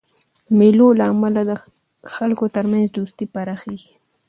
د مېلو له امله د خلکو ترمنځ دوستي پراخېږي.